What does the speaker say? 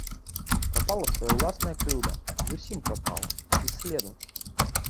Прапала свая ўласная крыўда, зусім прапала, без следу.